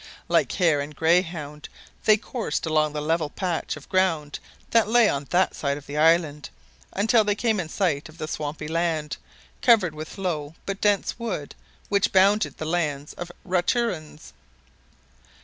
Like hare and greyhound they coursed along the level patch of ground that lay on that side of the island, until they came in sight of the swampy land, covered with low but dense wood which bounded the lands of the Raturans.